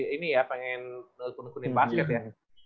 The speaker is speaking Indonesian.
ini ya pengen nukun nukunin basket ya